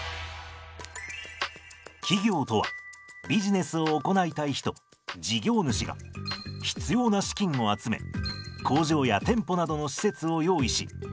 企業とはビジネスを行いたい人事業主が必要な資金を集め工場や店舗などの施設を用意し